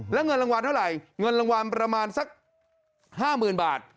แล้วเงินรางวัลเท่าไหร่เงินรางวัลประมาณสัก๕๐๐๐บาท